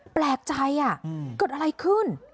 แปลกใจเกิดอะไรขึ้น